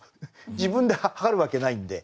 自分で量るわけないんで。